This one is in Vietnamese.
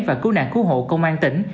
và cứu nạn cứu hộ công an tỉnh